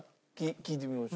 聴いてみましょう。